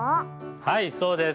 はいそうです。